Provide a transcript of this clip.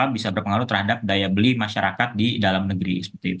bisa berpengaruh terhadap daya beli masyarakat di dalam negeri